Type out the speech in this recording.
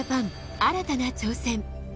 新たな挑戦。